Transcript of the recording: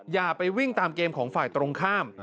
อย่าไปวิ่งตามเกมของฝ่ายตรงข้าม